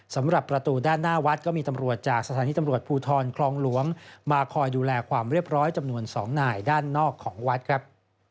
สำหรับประตูด้านหน้าวัดก็มีตำรวจจากสถานีตำรวจภูทรคลองหลวงมาคอยดูแลความเรียบร้อยจำนวน๒นายด้านนอกของวัดครับ